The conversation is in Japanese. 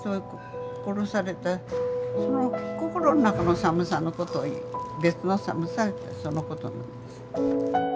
殺されたその心の中の寒さのことを「別の寒さ」ってそのことなんです。